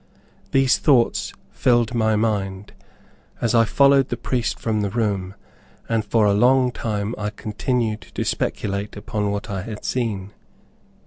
These thoughts filled my mind, as I followed the priest from the room; and for a long time I continued to speculate upon what I had seen.